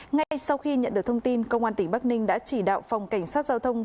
ngay sau khi nhận được thông tin công an tỉnh bắc ninh đã chỉ đạo phòng cảnh sát giao thông